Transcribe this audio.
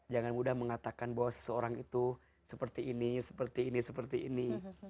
jangan mudah mengatakan bahwa seseorang itu seperti ini seperti ini seperti ini